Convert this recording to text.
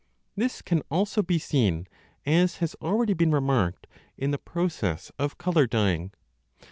This can also be seen, as has already been remarked, in the process of colour dyeing.